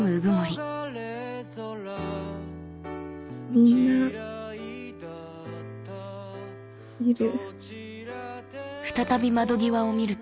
みんないる。